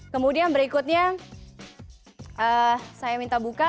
kemudian berikutnya saya minta buka